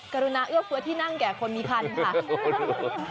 กรุณาเอื้อเฟื้อที่นั่งแก่คนมีพันธุ์ค่ะ